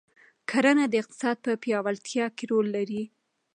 کرنه د اقتصاد په پیاوړتیا کې رول لري.